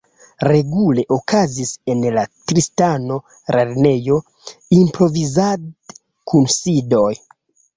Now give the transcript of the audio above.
Regule okazis en la Tristano-Lernejo improvizad-kunsidoj.